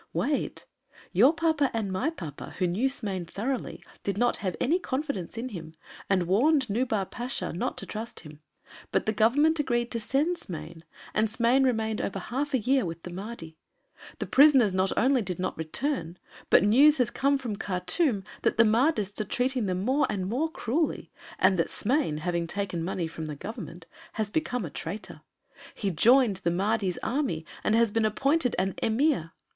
"Wait! Your papa and my papa, who knew Smain thoroughly, did not have any confidence in him and warned Nubar Pasha not to trust him. But the Government agreed to send Smain and Smain remained over half a year with the Mahdi. The prisoners not only did not return, but news has come from Khartûm that the Mahdists are treating them more and more cruelly, and that Smain, having taken money from the Government, has become a traitor. He joined the Mahdi's army and has been appointed an emir.